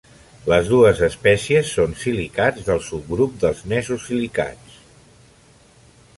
Les dues espècies són silicats, del subgrup dels nesosilicats.